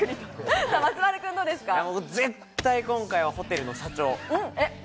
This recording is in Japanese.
絶対今回はホテルの社長。